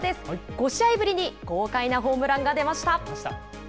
５試合ぶりに豪快なホームランが出ました。